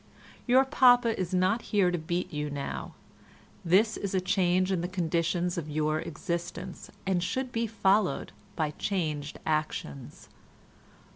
Your papa is not here to beat you now; this is a change in the conditions of your existence, and should be followed by changed actions.